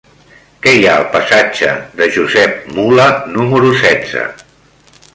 Què hi ha al passatge de Josep Mula número setze?